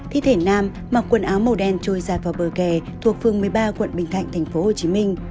thi thể nam mặc quần áo màu đen trôi giặt vào bờ kè thuộc phường một mươi ba quận bình thạnh tp hcm